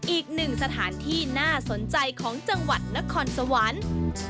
อีกหนึ่งสถานที่น่าสนใจของจังหวัดนครสวรรค์